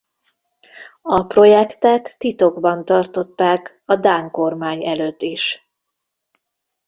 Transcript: A projektet titokban tartották a dán kormány előtt is.